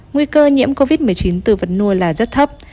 nguy cơ nhiễm covid một mươi chín từ vật nuôi là rất thấp